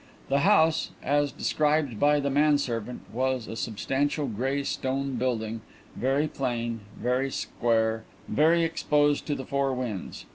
The house, as described by the man servant, was a substantial grey stone building, very plain, very square, very exposed to the four winds.